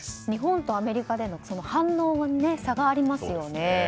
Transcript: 日本とアメリカでの反応の差がありますよね。